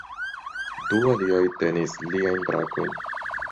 Du aliaj tenis liajn brakojn.